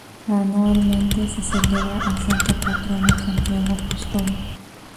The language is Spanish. Anualmente se celebra al santo patrono Santiago Apóstol.